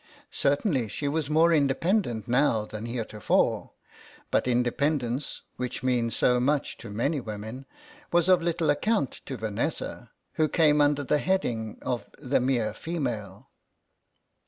Certainly she was more independent now than heretofore, but inde pendence, which means so much to many women, was of little account to Vanessa, who came under the heading of the mere female.